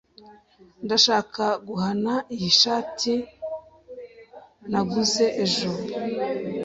Ndashaka guhana iyi shati naguze ejo.